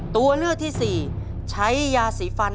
ตัวเลือกที่๔ใช้ยาสีฝัง